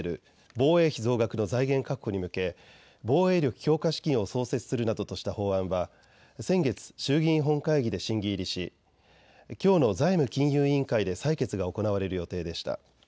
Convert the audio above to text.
防衛費増額の財源確保に向け防衛力強化資金を創設するなどとした法案は先月、衆議院本会議で審議入りしきょうの財務金融委員会で採決が行われる予定でした。